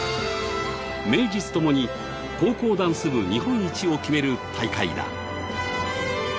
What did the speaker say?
名実ともに高校ダンス部日本一を決める大会だ。